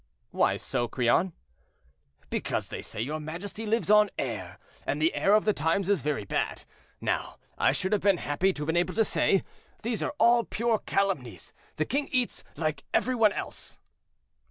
"Why so, Crillon?" "Because they say your majesty lives on air, and the air of the times is very bad. Now I should have been happy to be able to say, 'These are all pure calumnies; the king eats like every one else.'"